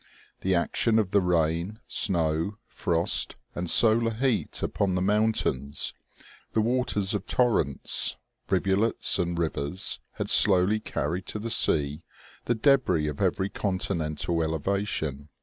The action of the rain, snow, frost and solar heat upon the mountains, the waters of tor rents, rivulets and rivers, had slowly carried to the sea the debris of every continental elevation.